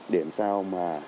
để làm sao mà